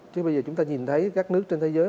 chứ bây giờ chúng ta nhìn thấy các nước trên thế giới